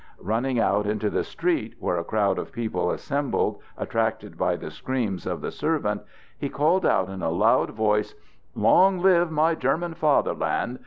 Running out into the street, where a crowd of people assembled, attracted by the screams of the servant, he called out in a loud voice: "Long live my German fatherland!"